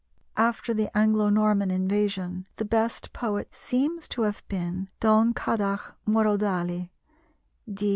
After the Anglo Norman invasion, the best poet seems to have been Donnchadh Mór O'Daly (d.